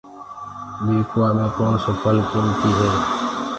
ٻيڪوآ مي ڪوڻسو ڦسل قيمتي هي۔